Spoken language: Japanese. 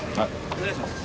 お願いします。